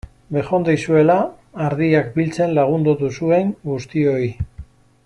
Bejondeizuela ardiak biltzen lagundu duzuen guztioi!